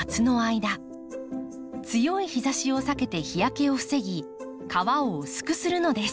強い日ざしを避けて日焼けを防ぎ皮を薄くするのです。